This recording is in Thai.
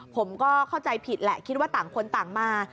ผมก็เข้าใจผิดแหละคิดว่าต่างคนต่างมา